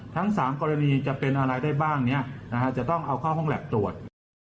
ทั้ง๓กรณีจะเป็นอะไรได้บ้างเนี่ยนะฮะจะต้องเอาเข้าห้องแล็บตรวจ